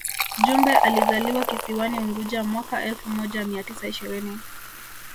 Jumbe alizaliwa kisiwani Unguja mwaka elfu moja mia tisa ishirini